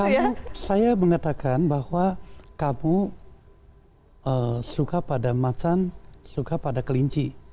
karena saya mengatakan bahwa kamu suka pada macan suka pada kelinci